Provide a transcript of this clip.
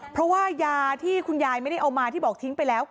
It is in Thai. เพราะว่ายาที่คุณยายไม่ได้เอามาที่บอกทิ้งไปแล้ว